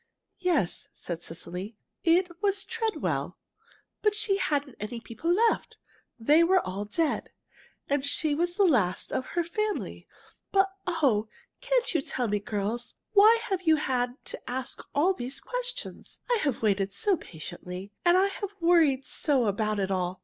"Yes," said Cecily. "It was Treadwell. But she hadn't any people left they were all dead, and she was the last one of her family. But, oh! can't you tell me, girls, why you have had to ask all these questions? I have waited so patiently, and I have worried so about it all.